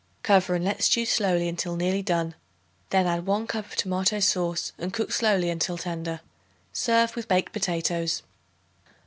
Cover and let stew slowly until nearly done; then add 1 cup of tomato sauce and cook slowly until tender. Serve with baked potatoes.